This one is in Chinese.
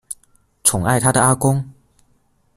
宠爱她的阿公